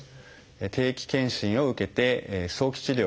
定期健診を受けて早期治療